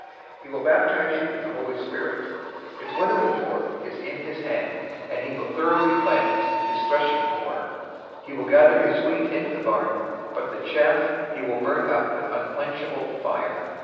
He will baptize you in the Holy Spirit.{TR and NU add "and with fire"} 003:012 His winnowing fork is in his hand, and he will thoroughly cleanse his threshing floor. He will gather his wheat into the barn, but the chaff he will burn up with unquenchable fire."